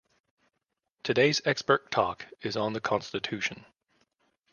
Today's expert talk is on the constitution.